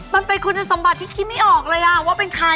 มันเป็นคุณสมบัติที่คิดไม่ออกเลยว่าเป็นใคร